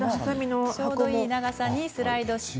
ちょうどいい長さにスライドをして。